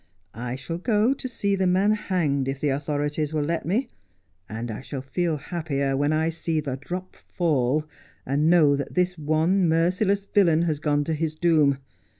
I shall go to see the man hanged if the authorities will let me : and I shall feel happier when I see the drop fall and know that this one merciless villain has gone to his doom.